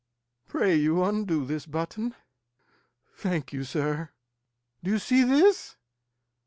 Pray you undo this button. Thank you, sir. Do you see this?